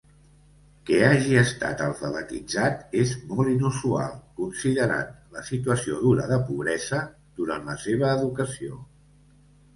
Que hagi estat alfabetitzat és molt inusual, considerant la situació dura de pobresa durant la seva educació.